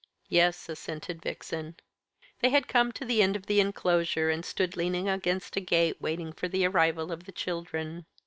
"Yes," assented Vixen. They had come to the end of the enclosure, and stood leaning against a gate, waiting for the arrival of the children.